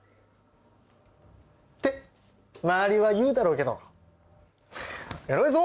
って周りは言うだろうけど偉いぞ！